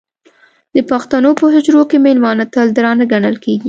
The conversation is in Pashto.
د پښتنو په حجرو کې مېلمانه تل درانه ګڼل کېږي.